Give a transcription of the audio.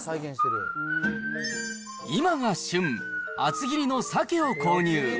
今が旬、厚切りのサケを購入。